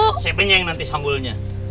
saya penyeng nanti sambulnya